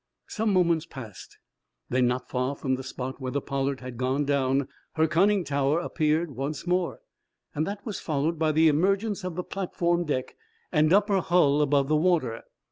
Some moments passed. Then, not far from the spot where the "Pollard" had gone down, her conning tower appeared once more. That was followed by the emergence of the platform deck and upper hull above the water.